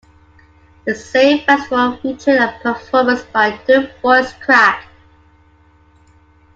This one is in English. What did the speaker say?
The same festival featured a performance by duo Voice Crack.